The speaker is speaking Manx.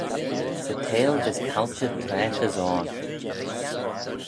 'Sy theihll vees palchey traagh as oarn